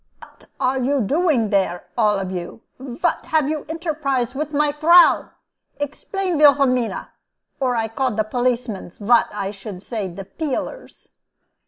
"Vhat are you doing dere, all of you? vhat have you enterprised with my frau? Explain, Vilhelmina, or I call de policemans, vhat I should say de peelers."